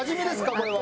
これは。